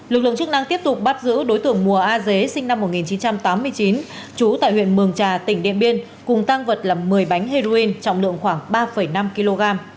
lực lượng chức năng tiếp tục bắt giữ đối tượng mùa a dế sinh năm một nghìn chín trăm tám mươi chín trú tại huyện mường trà tỉnh điện biên cùng tang vật là một mươi bánh heroin trọng lượng khoảng ba năm kg